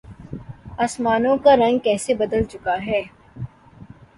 آسمانوں کا رنگ کیسے بدل چکا ہے۔